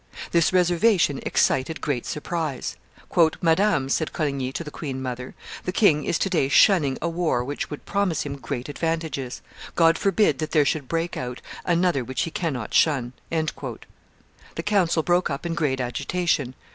This reservation excited great surprise. "Madam," said Coligny to the queen mother, "the king is to day shunning a war which would promise him great advantages; God forbid that there should break out another which he cannot shun!" The council broke up in great agitation.